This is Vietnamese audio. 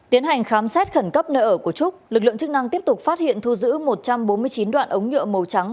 tiến hành khám xét khẩn cấp nơi ở của trúc lực lượng chức năng tiếp tục phát hiện thu giữ một trăm bốn mươi chín đoạn ống nhựa màu trắng